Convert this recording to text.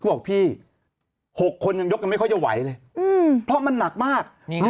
บอกพี่๖คนยังยกกันไม่ค่อยจะไหวเลยเพราะมันหนักมาก